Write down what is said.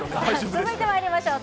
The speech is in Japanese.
続いてまいりましょう。